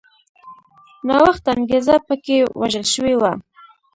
نوښت انګېزه په کې وژل شوې وه